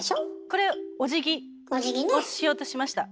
これおじぎをしようとしました。